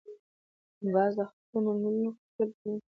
باز د خپلو منګولو غښتلي تمرین کوي